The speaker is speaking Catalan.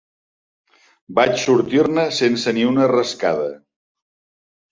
Vaig sortir-ne sense ni una rascada.